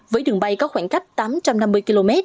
với đường bay có khoảng cách tám trăm năm mươi km